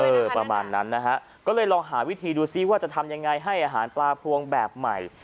ประมาณนั้นนะฮะก็เลยลองหาวิธีดูซิว่าจะทำยังไงให้อาหารปลาพวงแบบใหม่